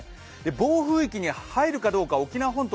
暴風域に入るかどうか、沖縄本島